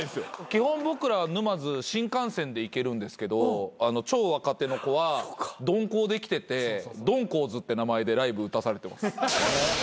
基本僕らは沼津新幹線で行けるんですけど超若手の子は鈍行で来てて鈍行ズって名前でライブ打たされてます。